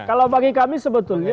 kalau bagi kami sebetulnya